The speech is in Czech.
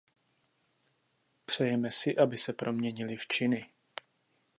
Přejeme si, aby se proměnily v činy.